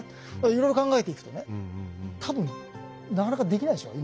いろいろ考えていくとね多分なかなかできないでしょう